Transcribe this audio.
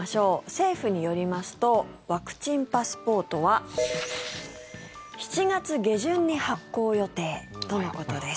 政府によりますとワクチンパスポートは７月下旬に発行予定とのことです。